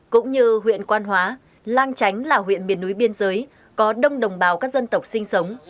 cũng như huyện quan hóa lang chánh là huyện miền núi biên giới có đông đồng bào các dân tộc sinh sống